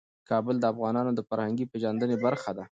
کابل د افغانانو د فرهنګي پیژندنې برخه ده.